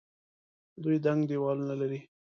دوی دنګ دیوالونه لري.